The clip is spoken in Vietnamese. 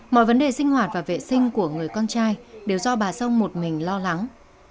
mọi vấn đề sinh hoạt và vệ sinh của người con trai đều do bà sông một mình lo lắng